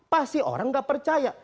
pasti orang gak percaya